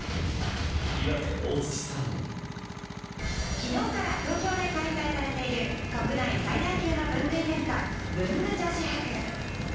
きのうから東京で開催されている国内最大級の文具イベント、文具女子博。